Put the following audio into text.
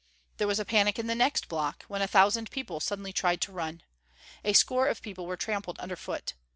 There was a panic in the next block, when a thousand people suddenly tried to run. A score of people were trampled under foot.